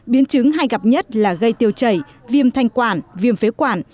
biến chứng hay gặp nhất là gây tiêu chảy viêm thanh quản viêm phế quản